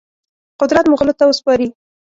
قدرت مغولو ته وسپاري.